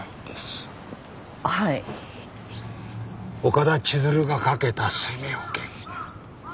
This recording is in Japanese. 岡田千鶴が掛けた生命保険